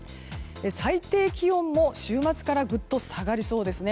最低気温も週末からぐっと下がりそうですね。